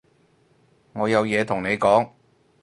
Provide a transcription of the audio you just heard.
我有嘢同你講